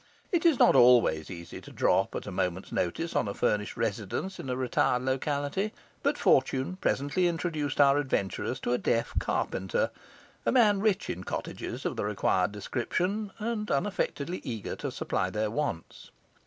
It is not always easy to drop at a moment's notice on a furnished residence in a retired locality; but fortune presently introduced our adventurers to a deaf carpenter, a man rich in cottages of the required description, and unaffectedly eager to supply their wants.